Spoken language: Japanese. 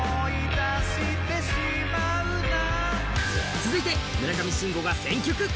続いて、村上信五が選曲。